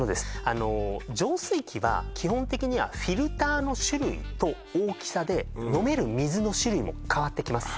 あの浄水器は基本的にはフィルターの種類と大きさで飲める水の種類も変わってきます